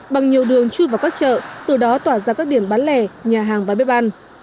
bằng nhiều đường chui vào các chợ từ đó tỏa ra các điểm bán lẻ nhà hàng và bếp ăn